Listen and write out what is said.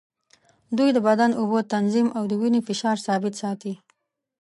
دوی د بدن اوبه تنظیم او د وینې فشار ثابت ساتي.